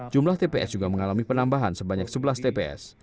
jumlah tps juga mengalami penambahan sebanyak sebelas tps